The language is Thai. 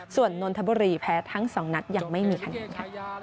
ส่วนนนทบุรีแพ้ทั้ง๒นัดยังไม่มีคะแนนค่ะ